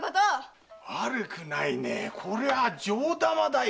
悪くないねこれは上玉だよ。